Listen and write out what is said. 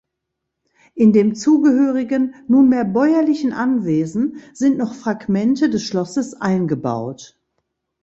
In dem zugehörigen nunmehr bäuerlichen Anwesen sind noch Fragmente des Schlosses eingebaut.